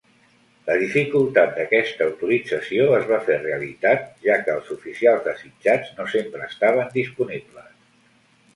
La dificultat d'aquesta autorització es va fer realitat, ja que els oficials desitjats no sempre estaven disponibles.